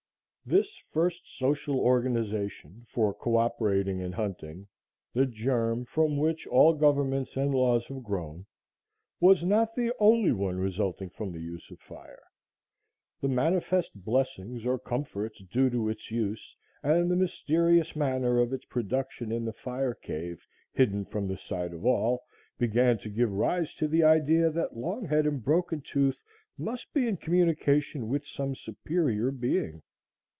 This first social organization for coöperation in hunting the germ from which all governments and laws have grown was not the only one resulting from the use of fire. The manifest blessings or comforts due to its use, and the mysterious manner of its production in the fire cave hidden from the sight of all, began to give rise to the idea that Longhead and Broken Tooth must be in communication with some superior being.